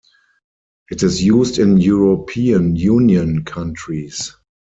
It is used in European Union countries.